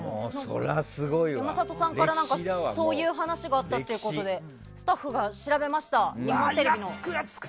山里さんからそういう話があったということで日本テレビのスタッフが調べました。